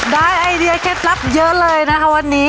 ไอเดียเคล็ดลับเยอะเลยนะคะวันนี้